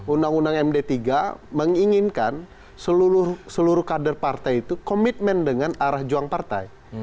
undang undang md tiga menginginkan seluruh kader partai itu komitmen dengan arah juang partai